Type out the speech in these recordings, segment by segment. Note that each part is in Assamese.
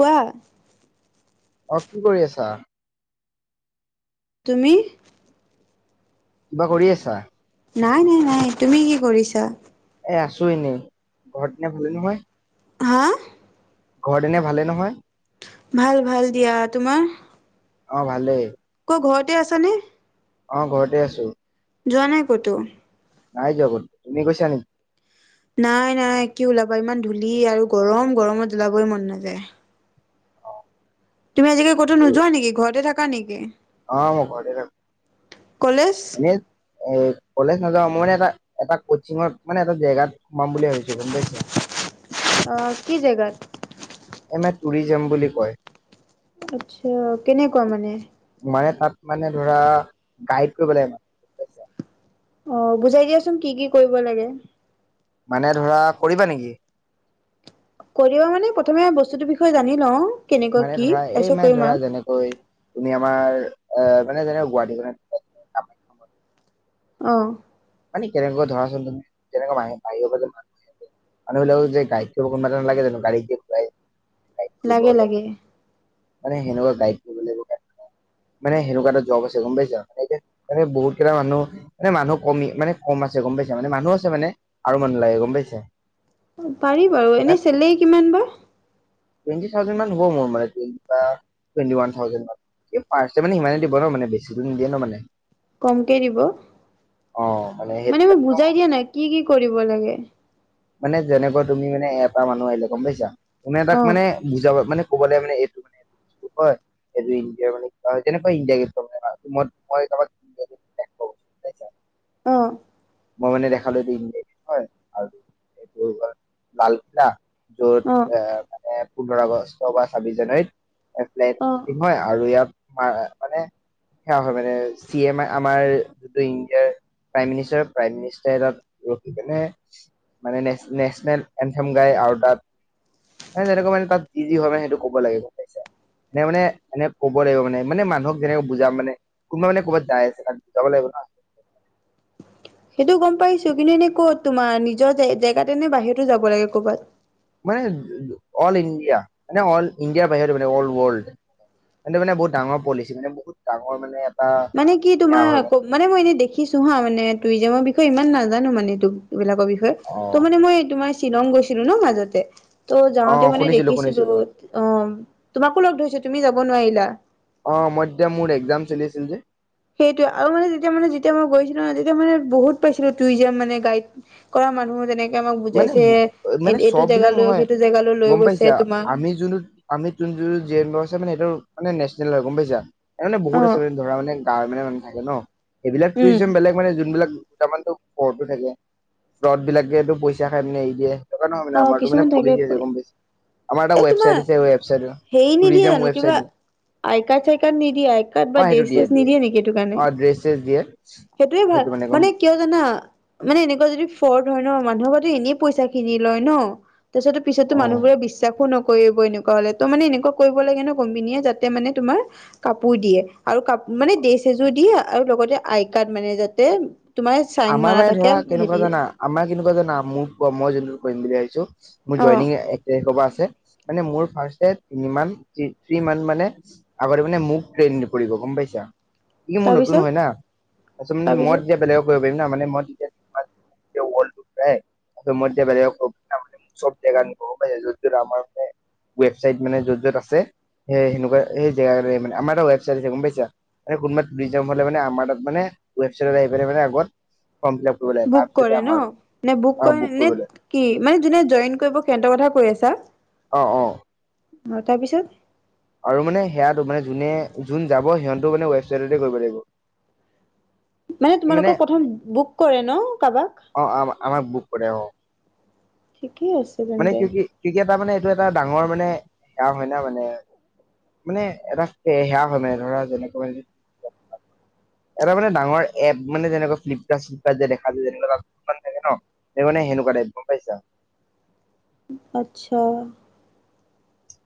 কোৱা। অ', কি কৰি আছা? তুমি? কিবা কৰি আছা? নাই নাই নাই, তুমি কি কৰিছা? এ আছো এনেই, ঘৰত এনে ভালেই নহয়? হা ঘৰ এনে ভালে নহয়? ভাল ভাল দিয়া। তোমাৰ? অ' ভালেই। ক ঘৰতে আছ নে? অ' ঘৰতে আছো। যোৱা নাই কতো? নাই যোৱা কতো, তুমি গৈছানি? নাই নাই, কি ওলাবা ইমান ধূলি আৰু গৰম। গৰমত ওলাবই মন নাযায়। অ তুমি আজিকালি কোত ময়ো- নযোৱা নেকি ঘৰতে থাক নেকি অ' মই ঘৰতে থাকোঁ। কলেজ এনেই অ' কলেজ নাযাও, মই এটা এটা কচ্চিংত মানে এটা জেগাত সোমাম বুলি ভাবিছো, গম পাইছা? আহ কি জেগাত? এমে টুৰিজিয়ম বুলি কয়। আচ্ছা কেনেকুৱা মানে? মানে তাত মানে ধৰা গাইড কৰিব লাগে। অ বুজাই দিয়াচোন কি কি কৰিব লাগে। মানে ধৰা কৰিবা নেকি? কৰিবা মানে প্ৰথমে বস্তুটোৰ বিষয়ে জানি লওঁ। কেনেকুৱা মানে কি ধৰা এই তাৰপিছত মানে কৰিম ধৰা আৰু যেনেকৈ তুমি আমাৰ অহ মানে যেনে গুৱাহাটীখনে [unintelligible] অ। কেনেকুৱা ধৰাচোন তুমি কেনেকুৱা মাহী বাহিৰৰ [unintelligible] মানুবিলাকক যে গাইড কৰিব কোনবাটা নালাগে জানো গাড়ীত যে ঘূৰাই। গাইড কৰিব লাগে হলে লাগে। মানে সেনেকুৱা গাইড কৰিব লাগিব [unintelligible] মানে সেনেকুৱা এটা জব আছে গম পাইছা এনেকে এনে বহুত কেইটা মানুহ মানে মানুহক। কমি মানে কম আছে গম পাইছা মানে মানুহ আছে মানে আৰু মানুহ লাগে গম পাইছা। পাৰি বাৰু। এনে চেলেৰি কিমান বা? টুয়েণ্টি থাওজেণ্ড হব মোৰ মানে টুৱেন্টি বা টুৱেন্টি ওয়ান থাওজেণ্ড মান ফাষ্টত মানে সিমানে দিব ন বেছিতো নিদিয়ে ন মানে। কমকে দিব। অ সেইটো মানে মই কাৰণে বুজাই ভাবিছো দিয়া নাই, কি কি কৰিব লাগে। মানে যেনেকৈ তুমি মানে এটা মানুহ আহিলে গম পাইছা। কোনে তাক অ মানে, বুজাব মানে। ক'বলে মানে এইটো মানে এইটো বস্তু হয় এইটো ইণ্ডিয়াৰ মানে কি হয় তেনেকুৱা ইণ্ডিয়া গেট মই মই কাৰোক ইিয় গুৱোৱাস্তছা [unintelligible] অ অ। মই মানে দেখালো এইটো ই হয় আৰু এইটোৰ লালকিল্লা। [unintelligible] যত অ আহ। এ পোন্ধৰ আগষ্ট বা ছাব্বিছ জানুৱাৰীত ফ্লেট অ [unintelligible] নয় আৰু ইয়াত হয় হয় মানে সে হয় মানে চি এম আমাৰ ইণ্ডিয়াৰ প্ৰাইম মিনিষ্টাৰ। তাত ৰখি পেনে মানে নেচনেল এনথেম গাই আৰু তাত মে তেনেকুৱা মানে তাত যি যি হয় মানে সেইটো ক'ব লাগিব পাই এনে মানে এনে ক'ব লাগিব মানে মানে মানুহক যেনেক বুজা মানে কোনোবা মানে ক'বাত যাই আছে ত বুজাব লাগিব নহ। সেইটো গম পাইছো কিন্তু এনেই ক'ত তোমাৰ নিজৰ জে জেগাতে নে বাহিৰতো যাব লাগিব কৰ'বাত। অল ইণ্ডিয়া মানে অল ইণ্ডিয়াৰ বাহিৰত মানে অল ৱৰ্ল্ড মানে বহুত ডাঙৰ পলিচি মানে বহুত ডাঙৰ মানে। এটা মানে কি সেয়া তোমাৰ হয় আকৌ মানে মই এনেই দেখিছো হা মানে তু। বিষয়ে ইমান নাজানো মানে এইটো এইবিলাকৰ অ বিষয়ে। ত মানে মই তোমাৰ। চিলং গৈছিলো ন মাজতে। ত অ যাওঁতে মানে শুনিছিলো দেখিছিলো শুনিছিলো অ তোমাকো লগ ধৰিছিলো। তুমি যাব নোৱাৰিলা। অ মই তেতিয়া মোৰ একজাম চলি আছিল যে। সেইটোৱে আৰু মানে যেতিয়া মানে যেতিয়া মই গৈছিলো ন তেতিয়া মানে বহুত পাইছিলো টুইজিয়াম মানে গাইড কৰা মানুহ তেনেক মানে মানে চব বিলাক জেগালৈ নহয় সেইটো জেগালৈ লৈ গম পাইছে গৈছে তোমাক আমি যোনটো আমি তোন যোন জ লৰাছে মানে সেইটো। মানে নেছনেল হয় গম পাইছা। মানে অ বহুত আছে মে ধৰা মানে। তাৰ মানে মানুহ থাকে নহ। এইবিলাক উম কুৱেশ্যন বেলেগ মানে যোনবিলাক। দুটামানটো ফ্লটও থাকে ফ্লট বিলাকেতো পইচা। পইচা খাই পেলাই এৰি দিয়ে। কাৰণে নহয় মানে অ' আমাৰতো মানে কিছুমান থাকে পলিচি আছে ফৰি গম পাইছা। আমাৰ এটা এই তোমাৰ ৱেবচাইট আছে ৱেবচাইট হেৰি নিদিয়ে টুৰিজম জানো ৱেবচাইট কিবা আই কাৰ্ড, চাই কাৰ্ড নিদিয়ে আই কাৰ্ড অ বা সেইটো ড্ৰেছ, দিয়ে ছেচ দিয়ে নিদিয়ে নেকি এইটো কাৰণে অ ড্ৰেছ চেছ দিয়ে সেইটোয়ে সেইটো ভাল গম মানে কিয় জানা মানে এনেকুৱা যদি ফৰ। ধৰে ন মানুহৰ প্ৰতি এনেই পইচা খিনিত। লয় ন' তাৰপিছতো পিছত টো অ মানুহবোৰে বিশ্বাসো নকৰে। কৰিব এনেকুৱা হ'লে ত মানে এনেকুৱা কৰিব লাগে ন কোম্পনীয়ে যাতে মানে তোমাৰ কাপোৰ দিয়ে আৰু কাপো মানে ড্ৰেছ ছেচও দিয়ে আৰু লগতে আই কাৰ্ড মানে যাতে। তোমাৰ চাইন আমাৰ মাৰা মানে থাকে ধৰা কেনেকুৱা হেৰি জানা আমাৰ কিন্তু। ক জানা মোক কোৱা মই যোনটো কৰিম বুলি আহিছো। মোৰ অ জইনিং এ এক তাৰিখৰ পৰা আছ ছে মানে মোৰ ফাৰ্ষ্টতেত মিনিমাম এইটি মান মানে আগতে মানে মোক ট্ৰেইন কৰিব গম পাইছা। ই মোৰ নতুন তাৰপিছত হয় না তাৰপিছত মানে মই তাৰপিছত তেতিয়া বেলেগক। [unintelligible] য'ত য'ত আমাৰ ৱেবচাইট মানে য'ত, য'ত আছে সে সেনোকোৱাই আমাৰ এটা ৱেবচাইট আছে গম পাইছা মানে কোনোবা টুৰিজম হলে মানে আমাৰ তাত মানে ৱেবাইটত আহি পেনাই মানে। [unintelligible] লাগে বুক তাৰপিছতে কৰে আমাৰ নহ, নে বুক অ কৰে কৰিব নে লাগে কি মানে যোনে জইন কৰিব সিহতৰ কথা কৈ আছা। অ, অ। হয় তাৰপিছত। আৰু মানে সেয়াটো মানে যোনে, যোন যাব সিহঁতো মানে ৱেবছাইটতে কৰিব লাগিব। মানে তোমালোকক প্ৰথম বুক কৰে নহ কাবাক। অ আম আমাক বুক কৰে অ আছে মানে তেন্তে কি কি কি এটা মানে এটা ডাঙৰ মানে সেয়া হয় ন মানে মানে এটা সেয়া হয় মানে ধৰা যেনেকৈ এটা মানে ডাঙৰ এপ মানে যেনেকুৱা ফ্লিপকাৰ্ট চ্লিপকাৰ্ট যে দেখা যে যেনেকুৱা কিছুমান মান থাকে ন সেইকাৰণে সেনেকুৱা টাইপ গম পাইছা আচ্ছা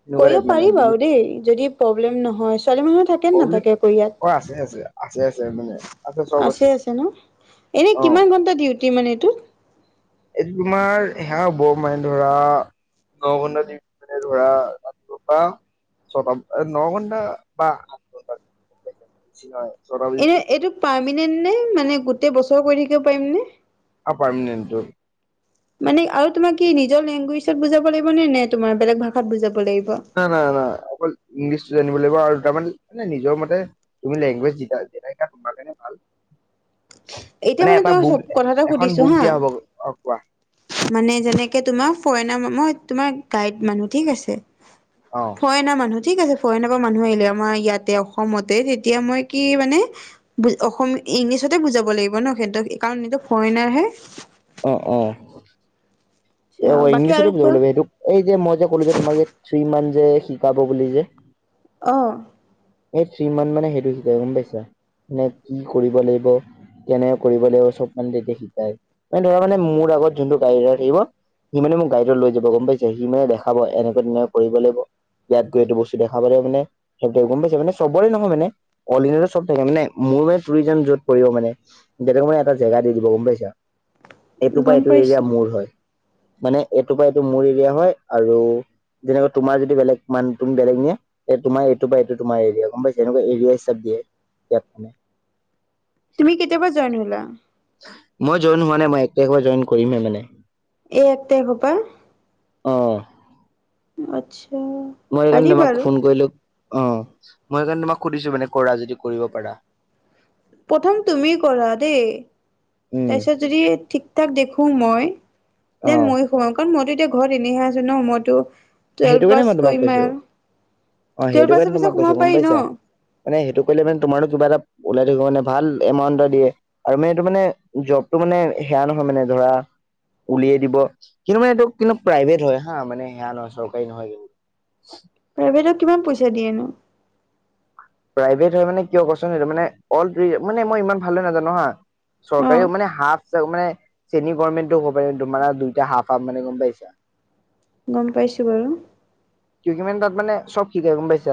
সেনেকুৱা টাইপ কৰিব মানে পাৰি বুজি বাৰু দেই যদি প্ৰব্লেম নহয় ছোৱালী মানুহ থাকে নে প্ৰব্লেম নাথাকে আকৌ ইয়াত? অ আছে আছে আছে আছে মানে চব আছে আছে ন এনে অ কিমান ঘণ্টা দিউ টি মানে এইটো? এইটো তোমাৰ সেয়া হব মানে ধৰা ন ঘন্টা মানে ধৰা [inaudible] ছটা ন ঘন্টা বা [inaudible] এনে ছুটি এইটো পা ৰ্মেনেন্ত নে? মানে গোটেই বছৰ কৰি থাকিব পাৰিম নে? অ পাৰ্মনেণ্ট এইটো। মানে আৰু তোমাক কি নিজৰ লেংগুৱেজত বুজাব লাগিব নে নে তোমাৰ বেলেগ ভাষাত বুজাব লাগিব? ন না না অকল ইংলিছটো জানিব লাগিব আৰু ত মান মানে নিজৰ মতে তুমি লেংগুৱেজ যোতা তোমাৰ কাৰণে ভাল [inaudible] এতিয়া মানে এটা তোমাক বুক চব কথা এটা এখন সুধিছো বুক হা দিয়া হ'ব, অ কোৱা। মানে যেনেকে তোমাৰ ফৰেনা মই তোমাৰ গাইড মানুহ ঠিক আছে। অ ফৰেনা মানুহ, ঠিক আছে ফৰেনাৰ পৰা মানুহ আহিলে আমাৰ ইয়াতে অসমতে তেতিয়া মই কি মানে ইংলিছতে বুজাব লাগিব ন স কাৰণটো ফৰেনাৰ হে, অ অ, আচ্ছা, অ বাকী ইংলিছতে আৰু বুজাব কোৱা লাগে সেইটো এই যে মই যে কলো যে তোমাক থিৰিমান যে শিকাব বুলি যে। অহ, এই থ্ৰী মান মানে সেইটো শিকাই গম পাইছা মানে কি কৰিব লাগিব কেনে কৰিব লাগিব চব মানে তেতিয়া শিকাই মানে ধৰা মানে মোৰ আগত যোনটো গাড়ীৰ থাকিব। সি মানে মোক গাডত লৈ যাব গম পাইছা সি মানে দেখাব এনেকুৱৈ তেনেকৈ কৰিব লাগিব ইয়াত গৈ এইটো বস্তু দেখাব লাগ মানে থাক গম পাইছা মানে চবৰে নহয় মানে অল ইণ্ডিয়াতো চব থাকে মানে মোৰ মানে টুৰিজম যত পৰি মানে দেউক মানে এটা জেগা দি দিব গম পাইছা। এইটো পা গম এইটো এৰিয়া পাইছো মোৰ হয়। মানে এইটো পৰা এইটো মোৰ এৰিয়া হয়, আৰু যেনেকৈ তোমাৰ যদি বেলেগ মান তুমি বেলেগ নিয়ে তোমাৰ এইটো পা এইটো তোমাৰ এৰিয়া, গম পাইছে? এনেকুৱা এৰিয়া হিচাপ দিয়ে ইয়াত মানে। তুমি কেতিয়া পা জইন হলা? মই জইন হোৱা নাই মই এক তাৰিখৰ পৰা জইন কৰিমহে মানে। এই এক তাৰিখৰ পৰা? অহ। আচ্ছ মই সেইকাৰণে তোমাক ফোন কৰিলো। অহ মই সেইকাৰণে তোমাক সুধিছো মানে কৰা যদি কৰিব পাৰা। প্ৰথম তুমি কৰা দেই, উম তাৰপিছত যদি থিক থাক দেখোঁ মই অ দেন মইও সোমাম কাৰণ মইটো এতিয়া ঘৰত এনেহে আছো ন মইতো টুৱেলভ সেইটো কাৰণে পাছ মই তোমাক কৰিমে কৈছো, অ টুৱেলভ সেইটো পাছৰ কাৰণে পিছত তোমাক কৈছো সোমাব গম পাৰি ন পাইছা? মানে সেইটো কৰিলে মানে তোমাৰো কিবা এটা ওলাই থাকিব মানে ভাল এমাউণ্ট এটা দিয়ে। আৰু মানে এইটো মানে জবটো মানে সেয়া নহয় মানে ধৰা উলিয়াই দিব, কিন্তু মানে এইটো কিন্তু প্ৰাইভেট হয় হা মানে সেয়া নহয় চব কাৰী নহয় কিন্তু। প্ৰাইভেটত কিমান পইচা দিয়ে নো? প্ৰাইভেট হয় মানে কিয় কচোন সেইটো মানে ৱৰ্ল্ড ত্ৰি মানে মই ইমান ভালদৰে নাজানো হা চৰকাৰীও অ' মানে হাফ মানে চেনি গোৰমেন্তটো হব পাৰ দু মাৰা দুই টা হাফ হাফ মানে গম পাইছা। গম পাইছো বাৰু। কিয় কিমান মানে তাত মানে চব শিকাই গম পাইছা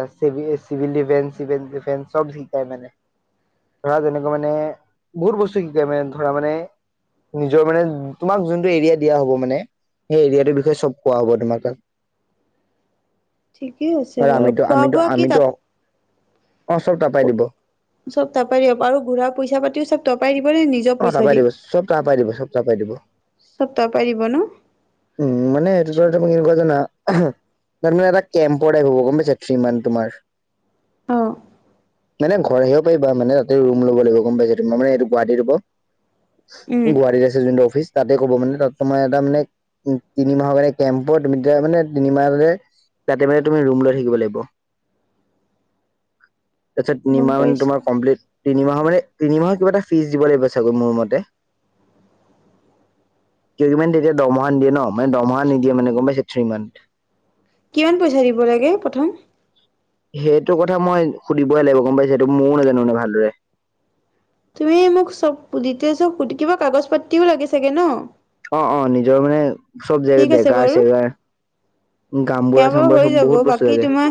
চিভিল ডিফেন্স চিভেল ডিফেন্স চব শিকাই মানে ধৰা তেনেকুৱা মানে বহুত বস্তু শিকাই মানে ধৰা মানে নিজৰ মানে তোমাক যোনটো এৰিয়া দিয়া হব মানে সেই এৰিয়াটোৰ বিষয়ে চব কোৱা হব তোমাক তাত। ঠিকেই আছে ধৰা বাৰু আমিতো খোৱা আমিতো বোৱা কি আমিতো তাত অ চব তাৰপাই দিব চব তাৰপাৰাই দিব আৰু ঘূৰা পইচা পাতিও চব ত পাই অ তাৰপাই দিব চব তাৰপাই দিব চব তাৰপাই দিব। চব তাৰপৰাই দিব ন উম মানে সেইটোতে এনেকুৱা জানা তাৰমানে এটা কেম্পৰ টাইপ হব গম পাইছা থ্ৰী মান্থ তোমাৰ অ মানে ঘৰ আহিব পাৰিবা মানে তাতে ৰুম ল'ব লাগিব গম পাইছা তোমাৰ মানে এইটো গুৱাহাটী ৰ'ব উম গুৱাহাটীত আছে যোন্ত অফিচ। তাতে ক'ব মানে, তাত তোমাৰ এটা মানে উম তিনিমাহৰ কাৰণে কেম্প হয়, তুমি এতিয়া মানে তিনিমাহ তাতে মানে তুমি ৰুম লৈ থাকিব লাগিব। তাৰপাছত গম তিনিমাহ পাইছো তোমাৰ কমপ্লিট তিনিমাহৰ মানে, তিনিমাহৰ কিবা এটা ফিজ দিব লাগিব চাগৈ মোৰ মতে। কেইদিন মান তেতিয়া দম ফাণ্ড দিয়ে ন মানে দৰমহা নিদিয়ে মানে গম পাইছে থ্ৰী মান্থ। কিমান পইচা দিব লাগে প্ৰথম? সেইটো কথা মই সুধিবই লাগিব গম পাইছা, সেইটো ময়ো নাজানো নে ভালদৰে। তুমি মোক চব ডিটেইলছত [unintelligible] কিবা কাগজ পাতিও লাগে চাগে ন। অ' অ' নিজৰ মানে চব ঠিক আছে জেগা বাৰু চেগাৰ, গাওবুঢ়া সেয়া বাৰু চাওবুঢ়া, হৈ চব যাব বহুত বস্তু বাকী থাকে। তোমাৰ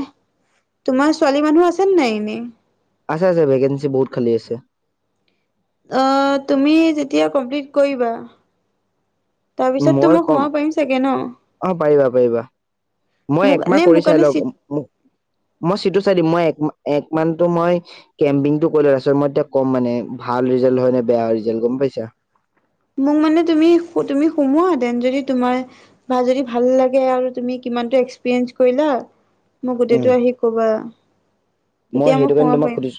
তোমাৰ ছোৱালী মানুহ আছে নে নাই এনেই আছে আছে ভেকেঞ্চি বহুত খালি আছে। অ' তুমি যেতিয়া কমপ্লিট কৰিবা তাৰপিছততো মই কম, সোমাব পাৰিম চাগে ন অ' পাৰিবা পাৰিবা। মই মোক একমাহ নে কৰি মোৰ চাই কাৰণে লও চিট মই চিটো চাই দিম মই এক মান টো ময় কেম্পিংটো কৰিলো তাৰ পাছত এতিয়া ক'ম মে ভাল ৰিজাল্ট হয় নে বেয়া ৰিজাল্ট গম পাইছা। মোক মানে তুমি সোমোৱা, ডেন যদি তোমাৰ বা যদি ভাল লাগে আৰু তুমি কিমানটো এক্সপেৰিএন্স কৰিলা মোক উম গোটেইটো আহি ক'বা। মই তেতিয়া সেইটো কাৰণে সোমাব তোমাক পাৰিম। সুধিছো,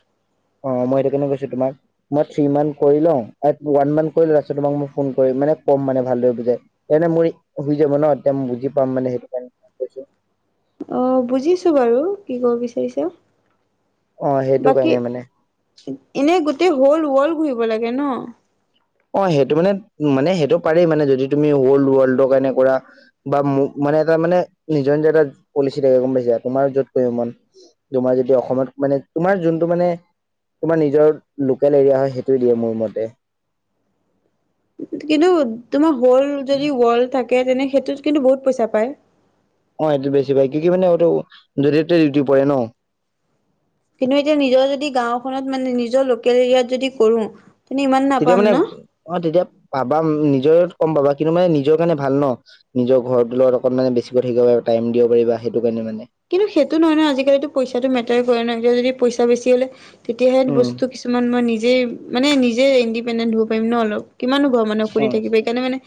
অ' মই সেইটো কাৰণে কৈছো তোমাক মই থ্ৰী মান্থ কৰি লও, এক ওৱান মান্থ কৰি ল তাৰপাছত তোমাক মই ফোন কৰিম, মানে কম মানে ভালদৰে বুজাই এনেও মোৰ ই হৈ যাব ন এতিয়া বুজি পাম মানে। অ' বুজিছো বাৰু কি কব বিচাৰিছ। অ' সেইটো কাৰণে মানে। এতে হ'ল ৱৰ্ল্ড ঘূৰিব লাগে ন? অ' সেইটো মানে মানে সেইটো পাৰি মানে যদি তুমি ৱল ৱৰ্ল্ডৰ কাৰণে কৰা বা মানে তাৰ মানে নিজৰ নিজৰ এটা পলিচি থাকে গম পাইছা তোমাৰ যত কৰিব মন তোমাৰ যেতিয়া অসমত মানে তোমাৰ যোঁনটো মানে তোমাৰ নিজৰ লোকেল এৰিয়া হয় সেইটো দিয়ে মোৰ মতে। কিন্তু তোমাৰ [unintelligible] যদি ৱল থাক কে তেনে সেইটোত কিন্তু বহুত পইচা পায়। অ' সেইটো বেছি পায়। কি কি মানে সেইটো যতে তটে ডিউটি পৰে ন। কিন্তু এতিয়া নিজৰ যদি গাওঁ খনত মানে নিজৰ লোকেল এৰিয়াত যদি কৰো তেতিয়া ইমান তেতিয়া নাপাম মানে ন? অ তেতিয়া পাবা নিজৰ কম পাবা কিন্তু মানে নিজৰ কাৰণে ভাল ন, নিজৰ ঘৰ ত লগত অকন মানে বেছিকৈ থাকিব পাৰা টাইম দিব পাৰিবা সেইটো কাৰণে মানে। কিন্তু তেতিয়া যদি পইচা বেছি হ'লে তেতিয়াহে উম বস্তু কিছুমান মই নিজ নিজ মানে নিজে ইণ্ডিপেণ্ডেণ্ট হ'ব পাৰিম ন অলপ কিমাননো [unintelligible] থাকিবা সেইকাৰণে মানে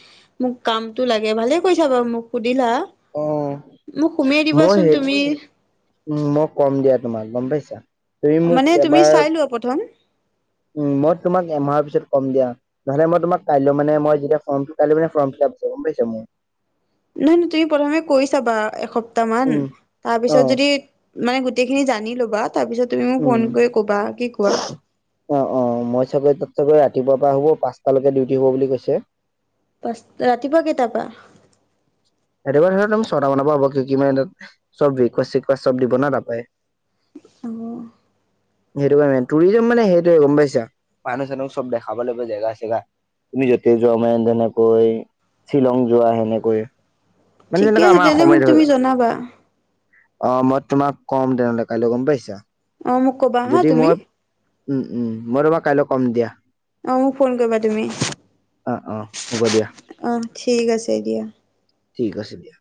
মোক কামতটো লাগে, ভালে কৈছা বাৰু মোক দিলা, অ অ মোক সোমোৱাই মই দিবাচোন। সেই তুমি উম, মই কম দিয়া তোমাক গম পাইছা। তুমি মোক মানে তুমি এবাৰ চাই লোৱা প্ৰথম। উম মই তোমাক এমাহৰ পিছত কম দিয়া। নহলে মই তোমাক কাইলৈ মানে মই যেতিয়া ফৰ্ম কাইলৈ মানে ফৰ্ম ফিলাপ আছে গম পাইছা মোৰ। নহয়, নহয় তুমি প্ৰথমে কৰি চাবা একসপ্তাহ মান উম অ তাৰপিছত যদি মানে গোটেইখিনি জানি ল'বা। তাৰ পিছত তুমি মোক উম ফোন কৰি ক'বা কি কোৱা? অ', অ' মই চাগৈ তাতে গৈ ৰাতিপুৱাৰ পৰা হ'ব পাঁচটা লৈকে ডিউটি হ'ব বুলি কৈছে। পাঁচটা। ৰাতিপুৱা কেইটাৰ পৰা? এইবাৰ ধৰি লোৱা তুমি ছয় টা মানৰ পৰা হ'ব। চব ব্ৰেকফাষ্ট চেকফাষ্ট চব দিব ন তাৰপাই। অ' [unintelligible] সেইটো কাৰণে টুৰিজিম মানে সেইটোৱে গম পাইছা মানুহ চানুহ চব দেখাব লাগিব জেগা চেগা। তুমি য'তে যোৱা মানে তেনেকৈ শ্বিলং যোৱা হেনেকৈ। ঠিকে আছে তেন্তে মোক তুমি জনাবা। অ' মই তোমাক কম তেনেহ'লে কাইলৈ গম পাইছা। অ' মোক ক'বা হা যদি তুমি। মই উম, উম মই তোমাক কাইলৈ কম দিয়া। অ'মোক ফোন কৰিবা তুমি। অ অ হ'ব দিয়া অ'। ঠিক আছে দিয়া। ঠিক আছে দিয়া।